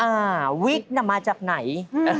วิกน่ะมาจากไหน